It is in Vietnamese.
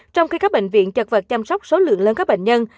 trong khi các bệnh viện chật vật chăm sóc số lượng lớn các bệnh nhân